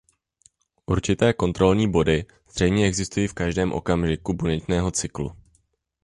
Určité kontrolní body zřejmě existují v každém okamžiku buněčného cyklu.